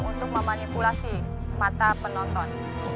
untuk memanipulasi mata penonton